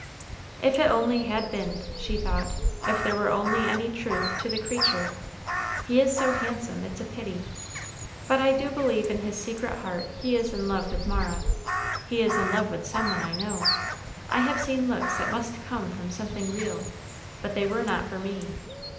"If it only had been," she thought; "if there were only any truth to the creature; he is so handsome, it's a pity. But I do believe in his secret heart he is in love with Mara; he is in love with some one, I know. I have seen looks that must come from something real; but they were not for me.